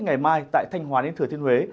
ngày mai tại thanh hòa đến thừa thiên huế